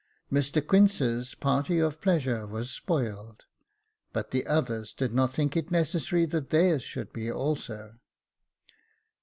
Mr Quince's party of pleasure was spoiled, but the others did not think it necessary that theirs should be also.